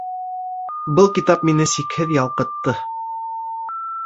Был китап мине сикһеҙ ялҡытты